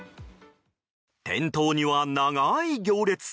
店頭には長い行列。